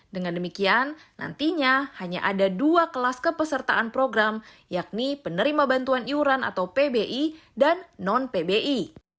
dengan demikian nantinya hanya ada dua kelas kepesertaan program yakni penerima bantuan iuran atau pbi dan non pbi